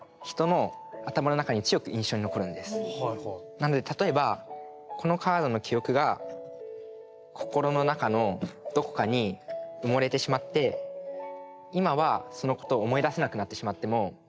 なので例えばこのカードの記憶が心の中のどこかに埋もれてしまって今はそのことを思い出せなくなってしまっても。